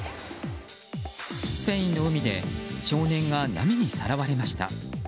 スペインの海で少年が波にさらわれました。